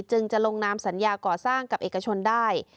จะลงนามสัญญาก่อสร้างกับเอกชนได้